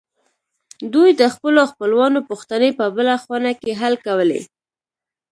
دوی د خپلو خپلوانو پوښتنې په بله خونه کې حل کولې